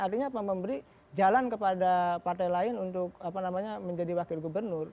artinya apa memberi jalan kepada partai lain untuk menjadi wakil gubernur